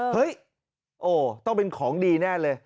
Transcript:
เฮ้ยโอ้ต้องเป็นของดีแน่เลย